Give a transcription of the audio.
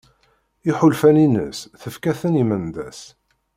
Iḥulfan-ines tefka-ten i Mendas.